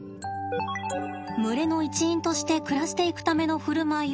群れの一員として暮らしていくための振る舞いを学ぶ